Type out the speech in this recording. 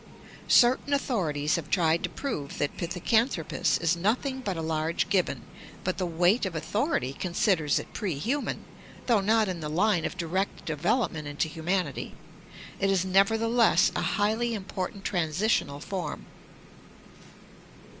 Certain authorities have tried to prove that Pithecanthropus is nothing but a large gibbon, but the weight of authority considers it prehuman, though not in the line of direct development into humanity. It is nevertheless a highly important transitional form.